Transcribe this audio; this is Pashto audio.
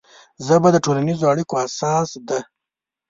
ژبه د ټولنیزو اړیکو اساس ده